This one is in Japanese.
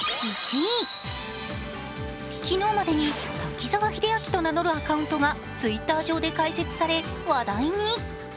昨日までに滝沢秀明と名乗るアカウントがＴｗｉｔｔｅｒ上で開設され話題に。